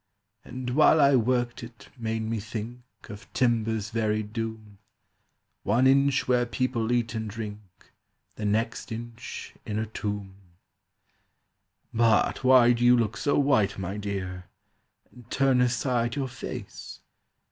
"And while I worked it made me think Of timber's varied doom; One inch where people eat and drink, The next inch in a tomb. "But why do you look so white, my dear, And turn aside your face?